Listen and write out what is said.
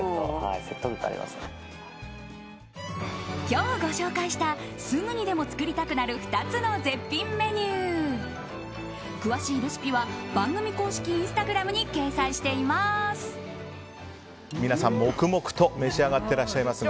今日ご紹介したすぐにでも作りたくなる２つの絶品メニュー詳しいレシピは番組公式インスタグラムに掲載しています。